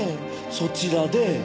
そちらで。